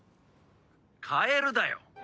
カエルだよ。